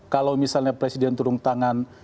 kalau misalnya presiden turun tangan